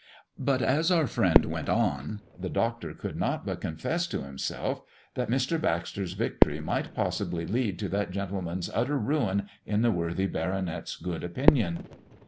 But as our friend went on, the Doctor could not but confess to himself, that Mr. Baxter's victory might possibly lead to that gentleman's utter ruin in the worthy baronet's good opinion.